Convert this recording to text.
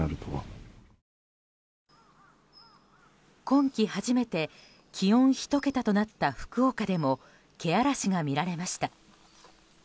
今季初めて気温１桁となった福岡でもけあらしが見られました。